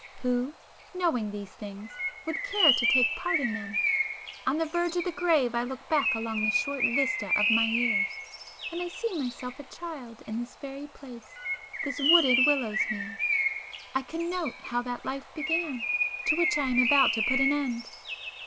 Who, knowing these things, would care to take part in them! On the verge of the grave I look back along the short vista of my years, and I see myself a child in this very place, this wooded Willowsmere; I can note how that life began to which I am about to put an end.